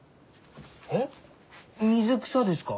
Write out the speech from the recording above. えっ水草ですか？